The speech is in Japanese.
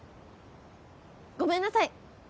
ごめんなさい！